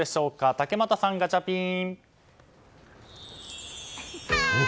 竹俣さん、ガチャピン！